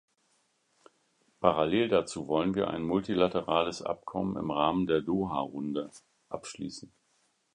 Parallel dazu wollen wir ein multilaterales Abkommen im Rahmen der Doha-Runde abschließen.